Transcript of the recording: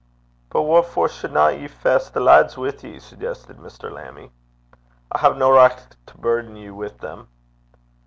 'But what for shouldna ye fess the lads wi' ye?' suggested Mr. Lammie. 'I hae no richt to burden you wi' them.'